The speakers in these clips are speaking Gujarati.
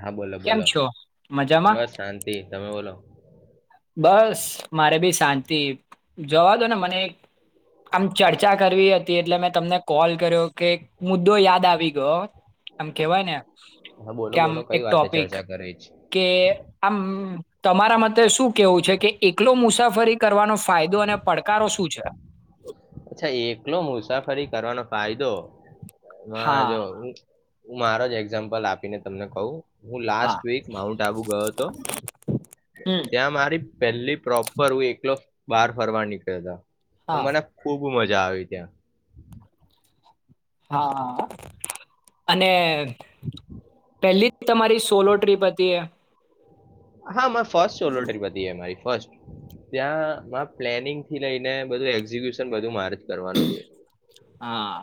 હા બોલો કેમ બોલો છો મજામાં બસ શાંતિ, તમે બોલો? બસ મારે બી શાંતિ જોવા દો ને મને આમ ચર્ચા કરવી હતી એટલે મેં તમને કોલ કર્યો કે મુદ્દો યાદ આવી ગયો આમ કેવાય ને હા બોલો કે આમ બોલો કઈ એક વાતે ટોપિક ચર્ચા કરવી છે કે આમ તમારા મતે શું કેવું છે કે એકલો મુસાફરી કરવાનો ફાયદો અને પડકારો શું છે. અચ્છા એકલો મુસાફરી કરવાનો ફાયદો. હા જો [unintelligible] હું હું મારો જ એક્ઝામ્પલ આપીને તમને કહું. હું હા લાસ્ટ વીક માઉન્ટ આબુ ગયો હતો હમ ત્યાં મારી પહેલી પ્રોપર હું એકલો બહાર ફરવા નીકળ્યા હતા. હા મને બહું મજા આવી ત્યાં. હા અને [inaudible] [unintelligible] પહેલી તમારી સોલો ટ્રીપ હતી એ. હા મા ફર્સ્ટ સોલો ટ્રીપ હતી એ મારી. ફસ્ટ ત્યાંમાં પ્લેનિંગથી લઈને બધું એક્ઝિક્યુશન બધું મારે કરવાનું હતું. હા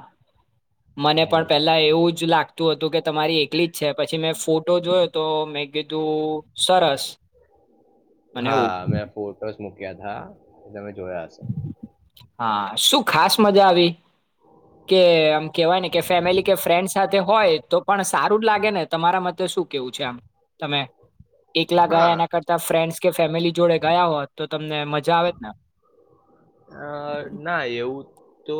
મને પણ હમ. પેલા એવું જ લાગતું. હતું કે તમારી એકલી જ. અચ્છા પછી મેં ફોટો જોયો તો મેં કીધું સરસ મને એવું હા મે ફોટો. મૂક્યાા તમે. જોયા હશે હા શું. ખાસ મજા આવી કે આમ કેવાય ને કે ફેમિલી કે ફ્રેન્ડ સાથે હોય તો પણ સારું જ લાગે ને તમારા મ શું કેવું છે આમ તમે. એકલા ગયા હા એના કરતા ફ્રેન્ડ. કે ફેમિલી જોડે ગયા હોત તો તમને મજા આવે ને. અ ના એવું. તો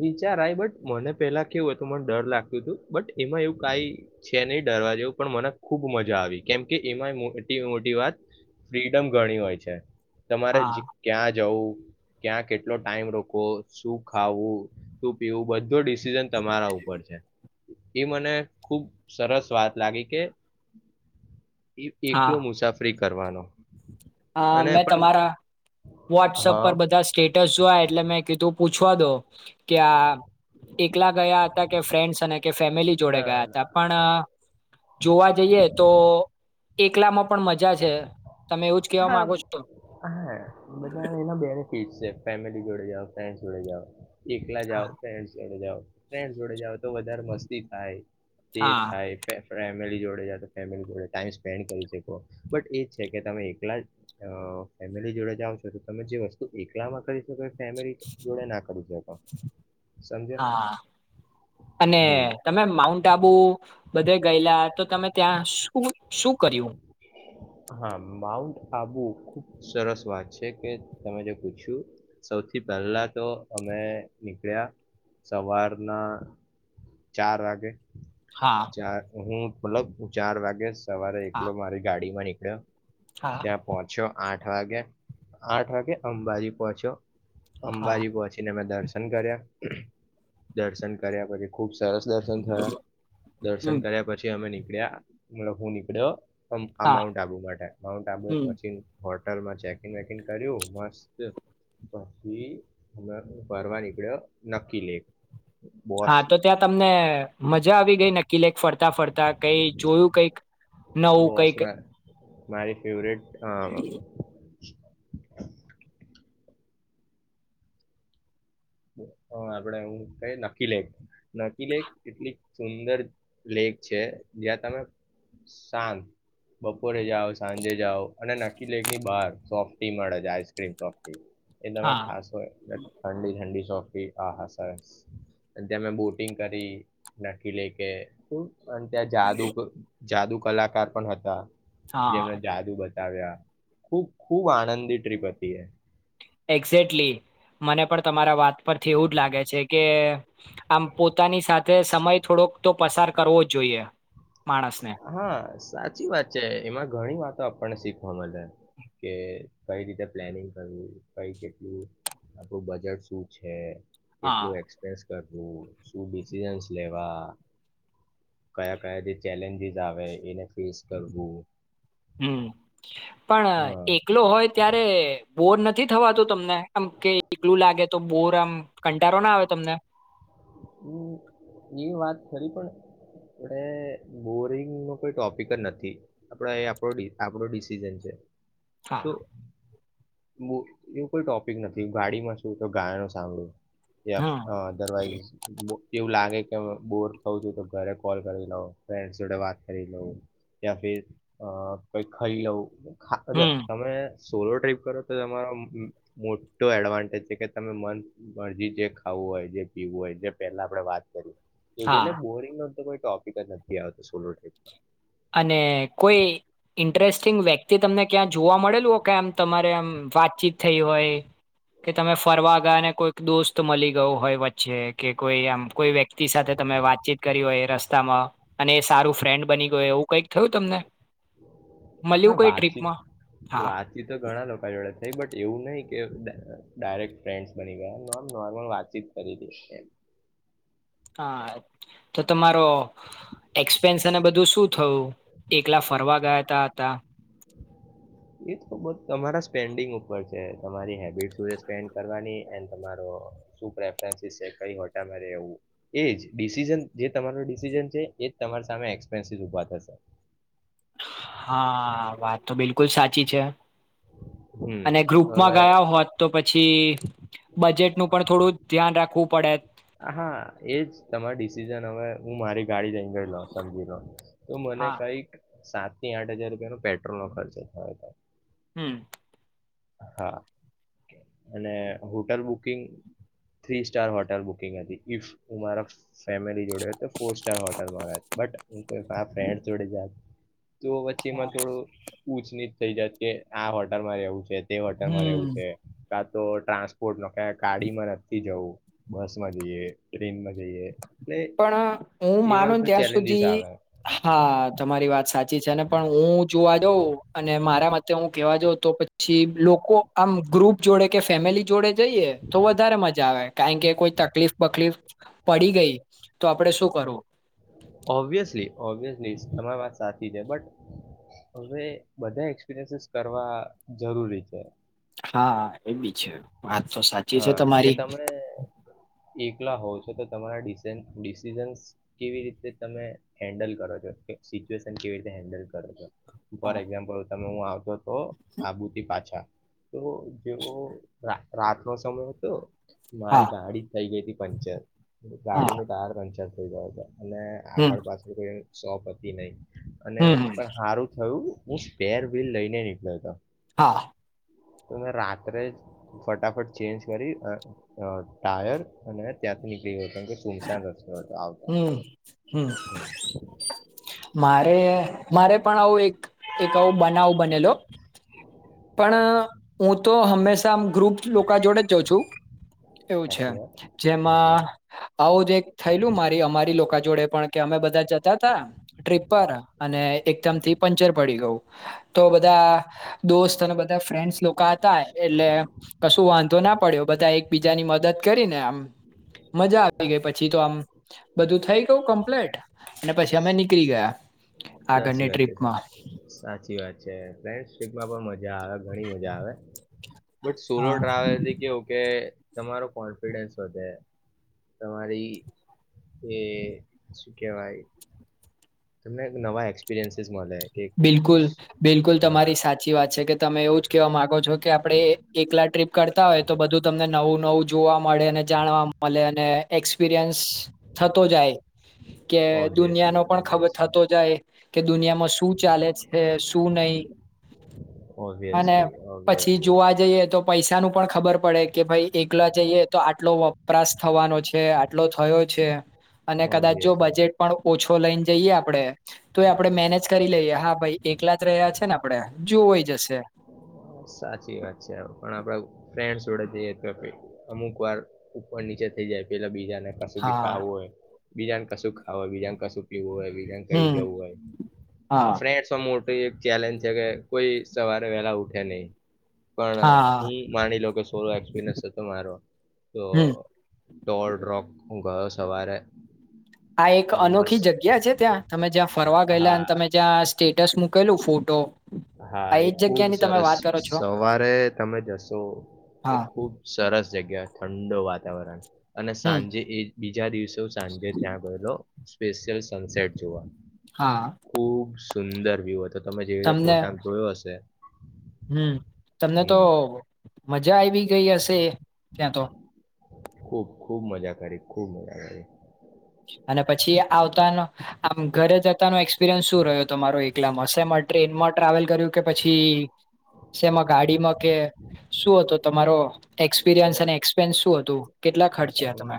વિચારાય બટ મને પેલા કેવું હતું મને ડર લાગતું હતું બટ એમાં એવું કઈ છે નહી ડરવા જેવું પણ મને ખુબ મજા આવી કેમકે એમાં મોટી મોટી વાત ફ્રીડમ ગણી હોય છે. તમારે હા ક્યાં જવું. ક્યાં કેટલો ટાઈમ રોકો શું ખાવું શું પીવું બધો ડિસિઝન તમારા ઉપર છે એ મને ખુબ સરસ વાત લાગી કે. એ એકલો મુસાફરિક. કરવાનો. હા અને મેં પણ તમારા વોટ્સઅપ હા પર બધા. સ્ટેટસ જો એટલે મેં કીધું પૂછવા દો કે એકલા ગયા હતા કે ફ્રેન્ડ્સ અને કે ફેમિલી જોડે ના ગયા હતા ના પણ જોવા જઈએ તો. એકલામાં પણ મજા છે તમે એવું જ કેવા હા માંગો છો હા બધા એના બે ઠીક છે ફેમિલી જોડે જાઓ ફ્રેન્ડસ જ જોડે જાઓ. એકલા જાઓ હા ફ્રેન્ડ્સ જોડે જાઓ. ફ્રેડ જોડે જવા તો વધારે મસ્તી થાય તે હા થાય. ફેમિલી જોડે જ તો ફેમિલી જોડે ટાઈમ સ્પેન્ડ કરી શકો. બટ એ જ છે કે તમે એકલા ફેમિલી જોડે જાઓ છો તો તમે જે વસ્તુ એકલામાં કરી શકો. ફેમિલી જોડે ના કરી શકો સમજ્યા હા અને હમ તમે માઉન્ટ આબુ બધે ગયેલા તો તમે ત્યાં શું શું કર્યું. હા માઉન્ટ આબુ ખુબ સરસ વાત છે કે તમે જે પૂછ્યું સૌથી પહેલા તો અમે નીકળ્યા સવારના ચાર વાગે હા ચાર હું મતલબ ચાર વાગે સવારે હા એકલો મારી ગાડીમાં નીકળ હા ત્યાં પહોંચ્યો આઠ આઠ વાગે આઠ વાગે અંબાજી પહોંચ્યો. હા અંબાજી પહોંચીને મે દર્શ કર્યા દર્શન કર્યા પછી ખૂબ સરસ દર્શન થયા દર્શન હમ કર્યા પછી અમે ની [unintelligible] હા અમાઉન્ટ આપવું માટે તાબો હમ પછી હોટલમાં ચેકિંગ વેકિંગ કર્યું મસ્ત પછી ફરવા નીકળ્યો નકીલે. હા, તો ત્યાં તમને મજા આવી ગઈ નકીલેક ફરતાં ફરતાં કઈ જોયું કઈક નવું કઈક મારે ફેવરિટ હા. [inaudible] આપડે હું કયી નકીલેક નકીલેક એટલી સુંદર લેક છે જ્યાં તમે શાંત બપોરે જાઓ, સાંજે જાઓ અને નકીલેેકની બહાર સોફ્ટ ટી મળે છે આઈસ્ક્રીમ સોફ્ટી એ તમે હા ખાસ હોય ઠંડી ઠંડી. હા હા સરસ, ત્યાં મેં બોટિંગ કરી નાકીલેકે અને ત્યાં જાદુક જાદુ કલાકાર પણ હતા. જેમનો હા જાદુ બધ આવ્યા ખૂબ ખૂબ આનંદી ટ્રીપ હતી એ એક્ઝેકટલી, મને પણ તમારા વાત પરથી એવું જ લાગે છે કે આમ પોતાની સાથે સમય થોડોક તો પસાર કરવો જ જોઈએ. માણસને હા. સાચી વાત છે, એમાં ઘણી વાતો આપણને શીખવા મલે કે કઈ રીતે પ્લેનિંગ કરવું, કઈ કેટલું, આપણું બજેટ શું છે. કેટલું હા એક્સપેસ તતું ડિસિઝન્સ લેવા કયાં કયાં જે ચેલેન્જીસ જ આવે એને ફેસ કરવું. હમ. પણ હા એકલો હોય ત્યારે બો નત ની થવાતું તમને એમ કે એકલું લાગે તો બોર તમ કંટારો નાં આવે તમને? હમ એ વાત ખરી પણ, પડે બોરિંગનો કોઈ ટોપિક જ નથી, આપડે આપરો ડી આપડો ડિસિઝન છે. હા તો બુ એવું કોઈ ટોપિક નથી, ગાડીમાં સૂતો ગાયનો સાંભળું. એહ હમ અ દરવાજ બો એવું લાગે તમ કે બોર ખવું છું તો ઘરે કોલ કરી લઉ, ફ્રેન્ડ જોડે વાત કરી લઉં, ત્યાં ફીર અ કઈક ખઈ લઉં. ખા અ જો હમ અમણે સોલો ટ્રીપ કરો તો તમારો ઉમ ઉમ મોટો એડવાન્ટેજ છે કે તમે મન મરજી જે ખાવું હોય જે પીવું હોય જે પેલા આપડે વાત કયુઁ એજ હા એટલે બોરિંગનો તો કોઈ તોપિક જ નથી આવતો સોલો ટ્રિપમાં. અને કોઈ ઇન્ટરેસ્ટિંગ વ્યક્તિ તમને ક્યાં જોવા મળેલુ ઓ કે આમ તમારે આમ વાતચીત થઈ હોય કે તમે ફરવા ગયા ને કોઈક દોસ્ત મલી ગયો હોય વચ્ચે કે કોઈ એમ કોઈ વ્યક્તિ સાથે તમે વાતચીત કરી હોય રસ સ્તામાં અને સારું ફ્રેન્ડ બની ગયો એવું કઈક થયું તમને મળ્યું હા, કઈ વાતચીત ટ્રીપમાં હા વાતચીત તો ઘણા લોકો જોડે થઈ બટ એવું નહિ કે ડા અ ડાયરેક્ટ ફ્રેન્ડ્સ બની ગયા આમ નોમ નોર્મલ વાતચીત કરી દેશે એમ. હા, તો તમારો એક્સપેન્સ અને બધું શું થયું? એકલા ફરવા ગયાતા તા. એ તો બધ તમારા સ્પેન્ડિંગ ઉપર છે, તમારી હેબિટ શું છે સ્પેન્ડ કરવાની એન્ડ તમારો શું પ્રેફ્રેનસીસ છે, કઈ હોટલમાં રેવું, એજ ડિસિઝન જે તમારૂ ડિસિઝન છે, એજ તમાર સામે એક્સપેનસીસ ઉભા થશે. હા, વાત તો બિલકુલ સાચી છે. હમ અને ગ્રુપમાં હવે ગયા હોત તો પછ છી બજેટનું પણ થોડું ધ્યાન રાખવું પડે હ હા એજ તમારી ડિસિઝન હવે હું મારી ગાડી જઈ ગયેલો સમજી લો તો મને હા કઈક સાત થી આઠ હજાર રૂપિયા નો પેટ્રોલ નો ખર્ચો થયો હતો. હમ. હા અને hotel booking three star hotel booking હતી ઈફ હું મારા ફેમિલી જોડે તો ફોર સ્ટાર હોટલ બટ હું ફન્ડ જોડે. તો વચ્ચે એમાં થોડો ઉચ ન. થઈ જત કે આ હોટલ માં રહેવું છે. તે વર્ટન માં રહેવું હમ છે. ક તો ટ્રાન્સપોર્ટ ન. ક કાડી માં નથી જવું. બસ માં જઈએ ટ્રેન માં જ. પણ હું એવા માનોને બધા ત્યાં ચેલેન્જીસ સુધી આવે હા તમારી વાત. સાચી છે ને પણ હું જોવા જાઉં અને મારા મતે હું કેવા જાઉં તો પછી લોકો આમ ગ્રુપ જોડે કે ફેમિલી જોડે જઈએ તો વધારે મજા આવે કારણ કે કોઈ તકલીફ બકલીફ. પડી ગઈ તો આપડે શું કરવું? ઓબવિયસલી ઓબિયસલી તમારી વાત સા. હવે બધા એક્સપિરયસીસ કરવા જરૂરી છે. હા એ બી છે. વાત તો સાચી છે હા કે તમારી તમે એકલા હોવ છો. તો તો તમારા ડિસિઝ ડિસિસઝન કેવી રીતે તમે હેન્ડલ કરો છો કે સિચ્યુએશન કેવી રીતે હેન્ડલ કરો છો. ફોર હા એક્ઝામ્પલ. તમે હું આવતો. તો આબુથી પાછા. તો જેવો રા રાત. નો સમય હતો. મારી હા ગાડી થઇ ગઈ હતી પંક્ચર હા ગાડી નો ટાયર પંચર. તે બા. અને હમ આગળ પાછળ કોઈ. સહપતિ નહી. અને હમ હમ પણ હારું થયું. હું સ્ટર વ્હીલ લઈ ને નીકળ્યો હતો. હા. તો મેં રાત્રે જ ફટાફટ ચેન્જ કરી ટાયર અને ત્યાંથી નીકળી ગયો. કેમકે સુમસામ રસ્તો હતો આવતા હમ હમ હંમ. મારે મારે પણ આવું એક એક આવો બનાવ બનેલો પણ હું તો હંમેશા આમ ગ્રુપ લોકો જોડે જ જા છું. એવું છે સાચી વાત જેમાં. આવું જ એક થયેલું મારી અમારી. લોકા જોડે પણ કે અમે બધા જતા હતા ટ્રીપ પર અને એકદમ થી પંચર પડી ગયું તો બધા દોસ્ત અને બધા ફ્રેન્ડ લોકો હતા એટલે કશું વાંધો ના પડ્યો બધા એક બીજાની મદદ કરીને આમ મજા થ ગઈ પછી તો આમ બધું થઇ ગયું કમ્પ્લેટ. અને પછી અમે નીકળી ગયા. સાચી આગળની વાત છે ટ્રીપમાં સાચી વાત. [unintelligible] માં પણ મજ મજા આવે ઘણી મજા આવે. બટ સોલો હા. ટ્રાવેલ થી કેવું કે તમારો કોન્ફિડન્સ વધે તમારી એ શું કેહેવાય. તમને એક નવા એક્સપિરિયન્સીસ મળે. કે બિલકુલ સ- બિલકુલ હા તમારી સાચી વાત છે કે તમે એવું જ કેવા માંગો છો કે આપણે એકલા ટ્રીપ કરતા હોય તો બધું તમને નવું નવું જોવા મળે અને જાણવા મળે અને એક્સપિરિયન્સ થતો જાય કે દુનિયા ઓબ્વિયસલી નો પણ ખબર ઓબ્વિયસલી થતો જાય કે દુનિયામાં શું શું ચાલે છે શું નહી અને ઓબ્વિયસલી પછી ઓબ્વિયસલી જોવા જઈએ તો પૈસા નું પણ ખબર પડે કે ભાઈ એકલા જઈએ તો આટલો વ વપરાશ થવાનો છે આટલો થયો છે. અને કદાચ જો ઓબ્વિયસલી બજેટ પણ ઓછો લઈને જઈએ આપડે તો એ આપણેે મેનેજ લઈએ હા ભાઈ એકલા જ રહ્યા છે ને આપડે. જોવાઈ જશે સાચી વાત છે પણ આપડા ફ્રેન્ વડે જઈ આપે અમુક વાર ઉપર નીચે થઈ જાય પેલા બીજા ક સુધી ક હા હોય. બીજાને કશું ખાવ હોય બીજાને કશું પીવું હોય. કઈ હમ જવું હોય હા ફ તો એક ચેલેન્જ છે કે કોઈ સવારે વહેલા ઉઠે નહી. પણ હા હું માની લો કે સો એક્સપિરિયન્સ હતો મારો તો હમ ટોરોક હ ઘર સવારે આ એક મસ્ત અનોખી જગ્યા છે ત્યાં તમે જ્યાં ફરવા ગયેલા હા અને તમે જ્યાં સ્ટેટસ મૂકેલું ફોટો હા આ એ એજ ખુબ જગ્યાની તમે સરસ વાત કરો છો સવારે તમે જશો એ હા ખુબ સરસ જગ્યા ઠંડો વાત [inaudible] અને હમ સાંજે એ બીજા દિવસે સાંજે ત્યાં ગયેલો. સ્પેશિયલ સનસેટ જોવા. હા [inaudible] સુંદર વ્યુ હતો. તમે જેવ ફો હશે. હમ્મ. તમને તો. હમ મજા આવી ગઈ હશે ત્યાં તો. ખૂબ મજા કરી ખૂબ મજા કરી. અને પછી આવતાનો આમ ઘરે જતાનો એક્સપિરિયન્સ શું રહ્યો તમારો એકલામાં સે ટ્રેનમાં ટ્રાવેલ કર્યું કે પછી સેમ ગાડીમાં કે શું હતું તમારો. એક્સપિરિયન્સ અને એક્સપેન્સ શું હતું. કેટલા મે ત ખર્ચ્યા તમે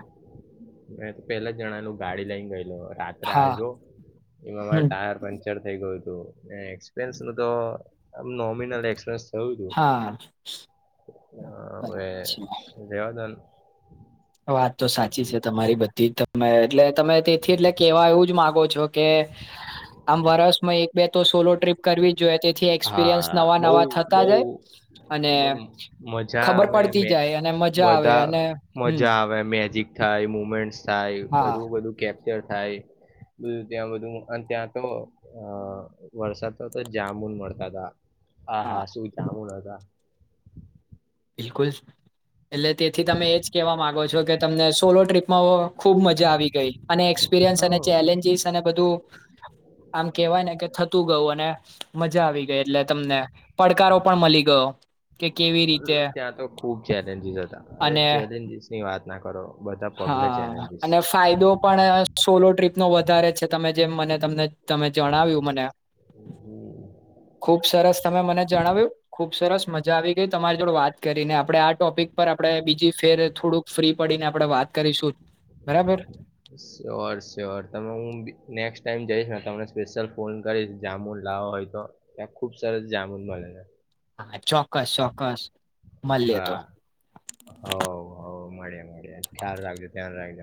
મે તો પહે જણાનું ગાડી લઈને ગયેલો રાત્રે હા આવ્યો. એમાં મારો હમ ટાયર પંક્ચર થઇ ગયો. એક્પરયસ ન તો આ નોમિનલ એક્સપિરયસ. એવુ હા હવે બરાબર છે દેવાદાન. [unintelligible] વાત તો સાચી છે તમારી બધી, તમે એટલે તમે તેથી એટલે કેવા, એવું જ માગો છો કે આમ વર્ષમાં તો એક બે તો સોલો ટ્રીપ કરવી. જો, તેથી એક્સપિરિયન્સ હા નવા બઉ નવા થતા બઉ જાય અને મજા ખબર આવે પડતી મે જાય અને મજા આવે, બધા અને હમ મજા આવે મી મેજિક થાય મુમેન્ટ. થાય હા બધું બધું કેમ? થાય બધું ત્યાં બધું ત્યાં તો અ વરસાદ તો તો જામુન મળે. દાદા. હા હા શું જામુન હતા. બિલકુલ, એટલે તેથી તમે એ જ કહેવા માગો છો કે તમને સોલો ટ્રીપમાં હો. ખુબ મજા આવી ગઈ અને એક્સપિરિયન્સ અને હઉ, ચેલેન્જીસ અને બધું આમ કહેવાય ને કે થતું ગયું, અને મજા આવી ગઈ એટલે તમને પડકારો પણ મળી ગયો કે કેવી. રીતે ત્યાં તો ખુબ ચેલેન્જીસ હતા, હ અને ચેલેન્જીસ ની વાત. ના કરો. બધા પગલે હા, ચેલેન્જીસ અને ફાયદો પણ સોલો ટ્રીપ. વધારે છે. તમે જેમ મને તમને, તમે જણાવ્યું. મને ખુબ સરસ તમે મને જણાવ્યું. ખુબ સરસ મજા આવી ગઈ તમારી જોડે વાત કરીને આપડે આ ટોપિક પર આપણે બીજી ફેર થોડુંક ફ્રી પડીને આપણે વાત. કરીશું બરાબર. Sure- sure. તમે હું નેક્સ્ટ ટાઈમ જઈશ ને તમને સ્પેશિયલ ફોન કરીશ, જામુન લાવો હોય તો ત્યાં ખુબ સરસ જામુન મળે છે. હા, ચોક્કસ- ચોક્કસ મલીએ તો હા મળ્યા ખ્યાલ રાખીએ, ધ્યાન રાખીએ.